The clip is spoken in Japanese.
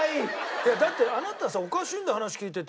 いやだってあなたさおかしいんだよ話聞いてて。